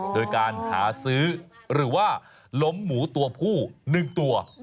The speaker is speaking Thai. โดยการหาซื้อหรือว่าล้มหมูตัวผู้๑ตัว